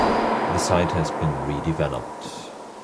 The site has been redeveloped.